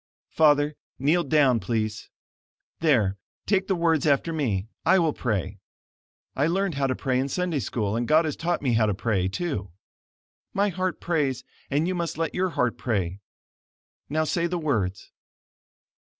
"Father, kneel down, please. There, take the words after me. I will pray I learned how to pray in Sunday School and God has taught me how to pray, too; my heart prays, and you must let your heart pray. Now say the words."